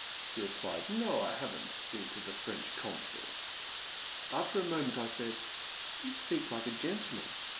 he replied ; "no, I have n*t been to the French Consul.*' After a moment I said, *' You speak like a gen tleman.